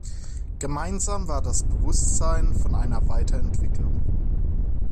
Gemeinsam war das Bewusstsein von einer Weiterentwicklung.